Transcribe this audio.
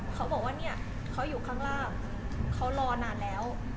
เขาบอกว่าเนี่ยเขาอยู่ข้างล่างเขารอนานแล้ว